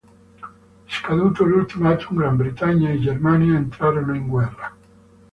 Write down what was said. Scaduto l’ultimatum Gran Bretagna e Germania entrarono in guerra.